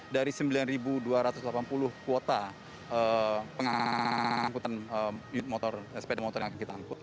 dari sembilan dua ratus delapan puluh kuota sepeda motor yang akan kita angkut